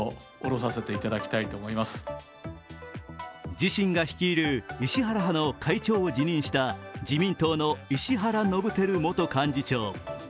自身が率いる石原派の会長を辞任した自民党の石原伸晃元幹事長。